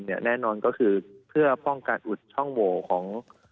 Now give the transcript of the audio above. แน่นอนก็คือเพื่อป้องกันอุดช่องโหวของ